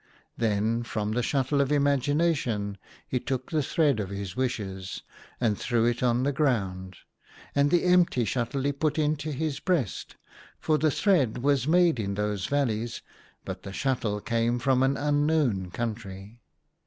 Then from the shuttle of Imagination he took the thread of his wishes, and threw it on the ground ; and the empty shuttle he put into his breast, for the thread was made in those valleys, but the shuttle came from an unknown country.